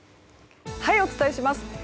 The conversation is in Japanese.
お伝えします。